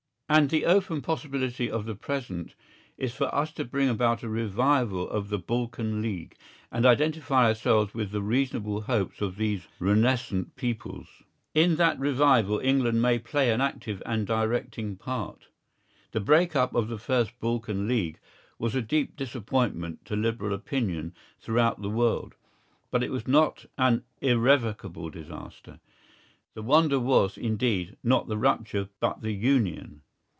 And the open possibility of the present is for us to bring about a revival of the Balkan League, and identify ourselves with the reasonable hopes of these renascent peoples. In that revival England may play an active and directing part. The break up of the first Balkan League was a deep disappointment to liberal opinion throughout the world; but it was not an irrevocable disaster. The wonder was, indeed, not the rupture but the union.